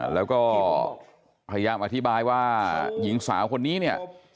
แล้วก็พยายามอธิบายว่าหญิงสาวคนนี้เนี่ย